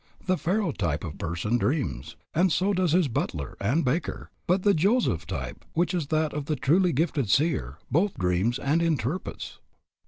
The Pharaoh type of person dreams, and so does his butler and baker; but the Joseph type, which is that of the truly gifted seer, both dreams and interprets."